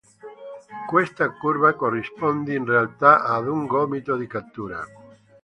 Questa curva corrisponde, in realtà, ad un gomito di cattura.